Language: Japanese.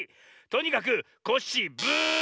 とにかくコッシーブー！